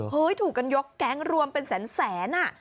ถูกกันยกแก๊งรวมเป็นแสนอ่ะ